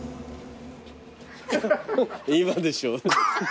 今でしょ。